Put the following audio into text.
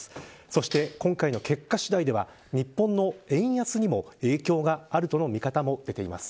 そして、今回の結果次第では日本の円安にも影響があるとの見方も出ています。